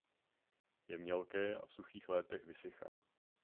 Je mělké a v suchých letech vysychá.